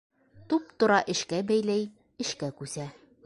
Туп-тура эшкә бәйләй, эшкә күсә.